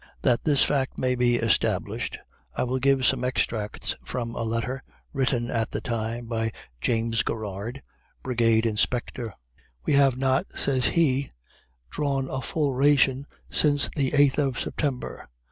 That this fact may be established, I will give some extracts from a letter, written at the time, by James Garrard, Brigade Inspector: "We have not" says he "drawn a full ration since the 8th September.